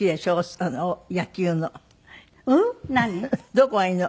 どこがいいの？